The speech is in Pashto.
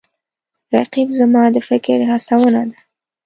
رقیب زما د فکر هڅونه ده